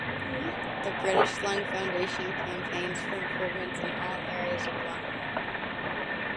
The British Lung Foundation campaigns for improvements in all areas of lung health.